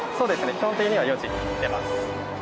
基本的には４時に出ます。